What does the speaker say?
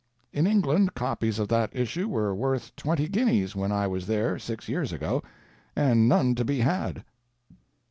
In England copies of that issue were worth twenty guineas when I was there six years ago, and none to be had."